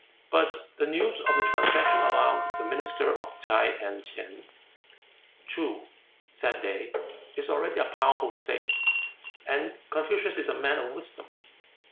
But the news of the transaction alarmed the ministers of Ts'ae and Ch'in. "Ts'oo," said they, "is already a powerful state, and Confucius is a man of wisdom.